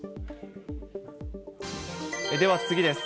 では、次です。